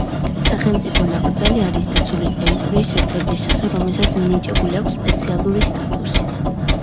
სახელმწიფო ნაკრძალი არის დაცული ტერიტორიის ერთ-ერთი სახე, რომელსაც მინიჭებული აქვს სპეციალური სტატუსი.